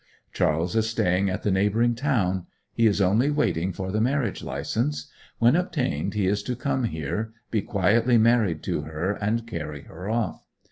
Charles is staying at the neighbouring town; he is only waiting for the marriage licence; when obtained he is to come here, be quietly married to her, and carry her off.